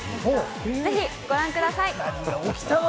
ぜひご覧ください。